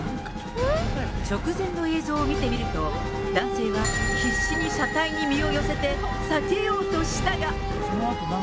直前の映像を見てみると、男性は必死に車体に身を寄せて避けようとしたが。